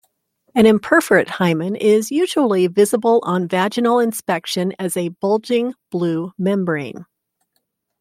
An imperforate hymen is usually visible on vaginal inspection as a bulging blue membrane.